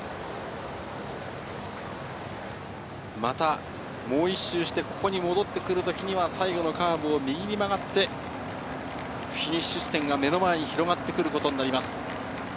またもう１周してここに戻ってくるときには最後のカーブを右に曲がってフィニッシュ地点が目の前に広がってくることになります。